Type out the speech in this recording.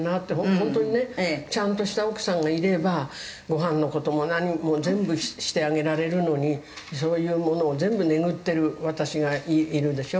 「本当にねちゃんとした奥さんがいればごはんの事も何も全部してあげられるのにそういうものを全部ネグってる私がいるでしょ？」